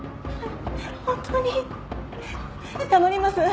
本当に黙ります。